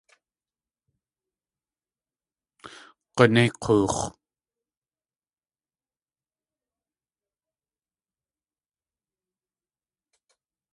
G̲unéi k̲oox̲!